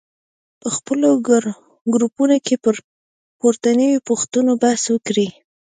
په خپلو ګروپونو کې پر پورتنیو پوښتنو بحث وکړئ.